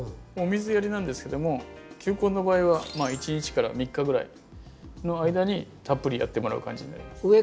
お水やりなんですけども球根の場合は１日から３日ぐらいの間にたっぷりやってもらう感じになります。